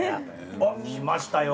おっ来ましたよ。